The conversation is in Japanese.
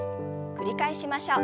繰り返しましょう。